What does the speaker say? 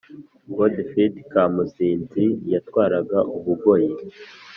Godifridi Kamunzinzi yatwaraga Ubugoyi.